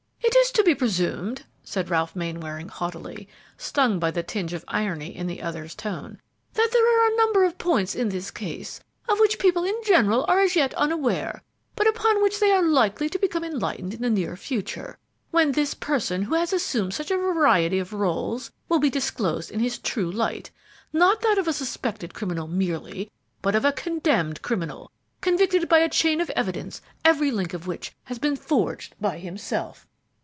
"It is to be presumed," said Ralph Mainwaring, haughtily, stung by the tinge of irony in the other's tone, "that there are a number of points in this case of which people in general are as yet unaware, but upon which they are likely to become enlightened in the near future, when this person who has assumed such a variety of roles will be disclosed in his true light, not that of a suspected criminal merely, but of a condemned criminal, convicted by a chain of evidence every link of which has been forged by himself."